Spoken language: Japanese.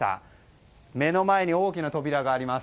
目の前に大きな扉があります。